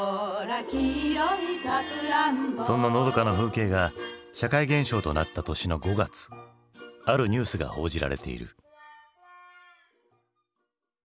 そんなのどかな風景が社会現象となった年の５月あるニュースが報じられている。